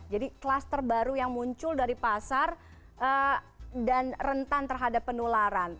jadi kluster baru yang muncul dari pasar dan rentan terhadap penularan